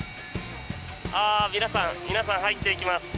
皆さん、入っていきます。